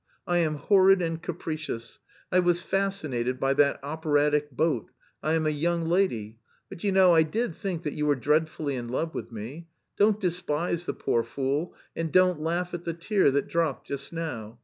I am horrid and capricious, I was fascinated by that operatic boat, I am a young lady... but you know I did think that you were dreadfully in love with me. Don't despise the poor fool, and don't laugh at the tear that dropped just now.